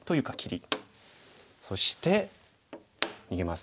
そして逃げます。